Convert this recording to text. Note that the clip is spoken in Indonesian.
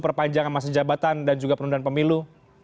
perpanjangan masa jabatan dan juga penundaan pemilu